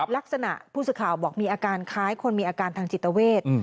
ลักษณะผู้สื่อข่าวบอกมีอาการคล้ายคนมีอาการทางจิตเวท